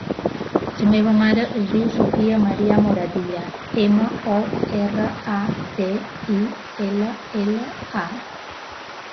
La meva mare es diu Sofia maria Moratilla: ema, o, erra, a, te, i, ela, ela, a.